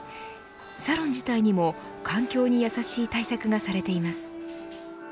サロン自体にも環境にやさしい対策がされています。